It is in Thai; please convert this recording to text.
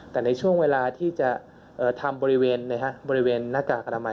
แต่ในช่วงเวลาที่จะทำบริเวณบริเวณหน้ากากอนามัย